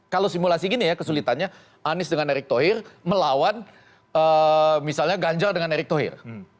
kalau simulasi gini ya kesulitannya anies dengan erik thoir melawan misalnya ganjar dengan erik thoir